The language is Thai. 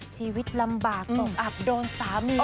ชีวิตลำบากตกอับโดนสามี